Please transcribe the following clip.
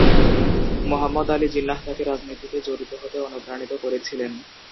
মুহাম্মদ আলী জিন্নাহ তাকে রাজনীতিতে জড়িত হতে অনুপ্রাণিত করেছিলেন।